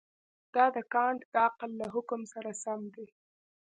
دا د کانټ د عقل له حکم سره سم دی.